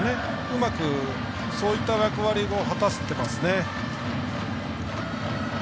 うまくそういった役割を果たしてますね。